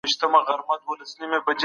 موږ وزن هم اندازه کوو.